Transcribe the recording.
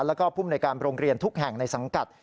แล้วก็ภูมิในการโรงเรียนทุกแห่งในสังกัด